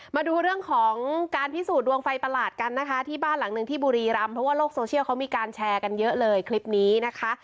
มาดูเรื่องของการพิสูจนดวงไฟประหลาดกันนะคะที่บ้านหลังหนึ่งที่บุรีรำเพราะว่าโลกโซเชียลเขามีการแชร์กันเยอะเลยคลิปนี้นะคะ